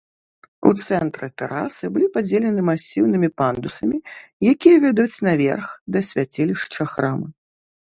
У цэнтры тэрасы былі падзелены масіўнымі пандусамі, якія вядуць наверх, да свяцілішча храма.